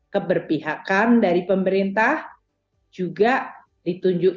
keberpihakan dari pemerintah juga ditunjukkan